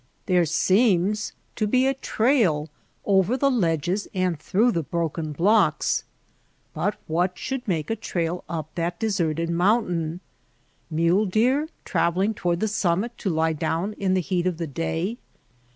There seems to be a trail over the ledges and through the broken blocks ; but what should make a trail up that deserted mountain ? Mule deer travelling toward the summit to lie down in the heat of the day